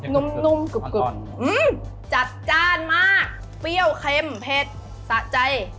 นุ่มกึบจัดจ้านมากเปรี้ยวเค็มเผ็ดสะใจ